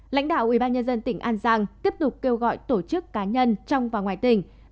lãnh đạo ubnd tỉnh an giang tiếp tục kêu gọi tổ chức cá nhân trong và ngoài tỉnh